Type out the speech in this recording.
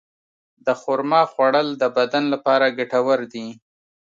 د خرما خوړل د بدن لپاره ګټور دي.